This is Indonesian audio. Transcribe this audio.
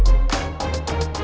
kita nyetirkan masuk sana